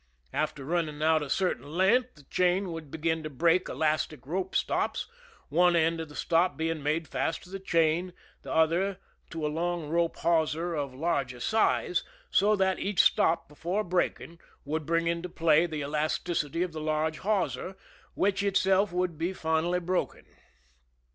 After running out a certain length the chain would begin to break elastic rope stops, one end of the stop being made fast to the chain, the other to a long rope hawser of larger size, so that each stop before breaking would bring into play the elasticity of the large hawser, which itself would be finally broken.